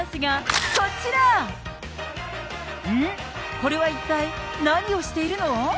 これは一体何をしているの？